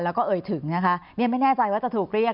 แล้วก็เอ่ยถึงนะคะไม่แน่ใจว่าจะถูกเรียก